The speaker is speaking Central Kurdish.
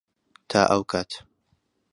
تا ئەو کات.